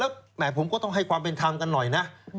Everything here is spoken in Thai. เออแล้วผมก็ต้องให้ความเป็นทางกันหน่อยนะ